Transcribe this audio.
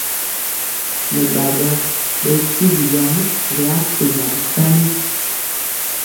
Nɛ badɔ bɛ tyigi yan ri apenja bisani.